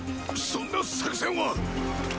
そんな作戦は！